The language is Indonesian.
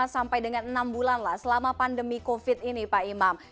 lima sampai dengan enam bulan lah selama pandemi covid ini pak imam